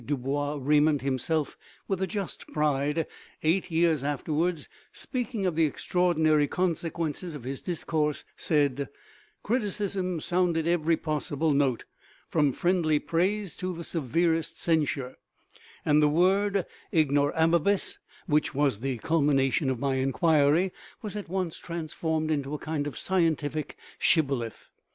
du Bois Reymond himself, with a just pride, eight years afterwards, speaking of the extraordinary con sequences of his discourse, said :" Criticism sounded every possible note, from friendly praise to the severest censure, and the word ' Ignorabimus/ which was the culmination of my inquiry, was at once transformed into a kind of scientific shibboleth."